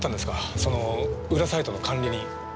その裏サイトの管理人。